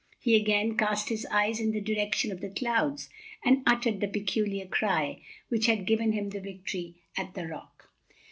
He again cast his eyes in the direction of the clouds and uttered the peculiar cry which had given him the victory at the rock.